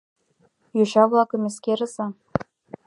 Йоча-влакым эскерыза.